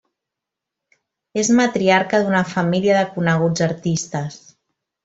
És matriarca d'una família de coneguts artistes.